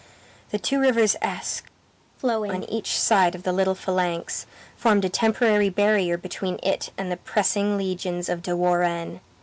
The two rivers Eske, flowing on each side of the little phalanx, formed a temporary barrier between it and the pressing legions of De Warenne.